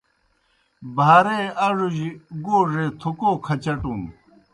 بھارے اڙوجیْ گوڙے تُھکو کھچٹُن